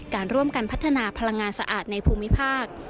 การร่วมกันพัฒนาพลังงานสะอาดในภูมิภาค